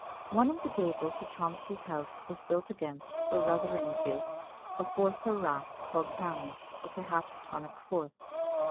One of the gables of Thomas's house was built against, or rather into, a Forth or Rath, called Towny, or properly Tonagh Forth.